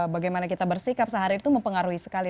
bagaimana kita bersikap sehari itu mempengaruhi sekali